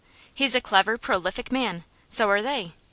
He's a clever, prolific man; so are they.